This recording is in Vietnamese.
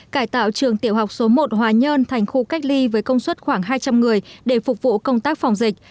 cải tạo trường tiểu học số một hòa nhơn thành khu cách ly với công suất khoảng hai trăm linh người để phục vụ công tác phòng dịch